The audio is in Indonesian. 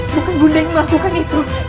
bukan bunda yang melakukan itu